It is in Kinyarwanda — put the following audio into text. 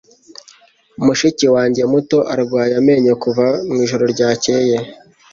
Mushiki wanjye muto arwaye amenyo kuva mwijoro ryakeye.